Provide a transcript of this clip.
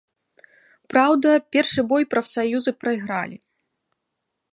Праўда, першы бой прафсаюзы прайгралі.